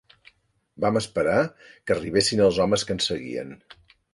Vam esperar que arribessin els homes que ens seguien